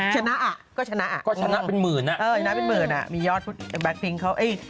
ชนะอ่ะก็ชนะอ่ะเออชนะเป็นหมื่นน่ะมียอดแบตก์ปิงเค้าเอ๊ะ